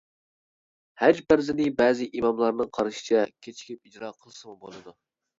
ھەج پەرزىنى بەزى ئىماملارنىڭ قارىشىچە كېچىكىپ ئىجرا قىلسىمۇ بولىدۇ.